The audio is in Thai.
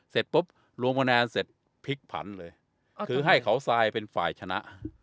เสร็จปุ๊บลงคะแนนเสร็จพลิกผันเลยคือให้เขาทรายเป็นฝ่ายชนะ